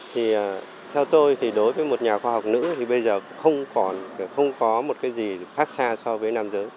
theo tôi đối với một nhà khoa học nữ bây giờ không có gì khác xa so với nam giới